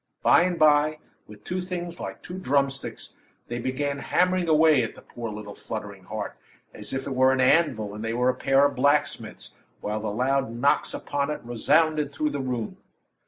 By and by, with two things like two drumsticks, they began hammering away at the poor, little, fluttering heart, as if it were an anvil and they were a pair of blacksmiths, while the loud knocks upon it resounded through the room.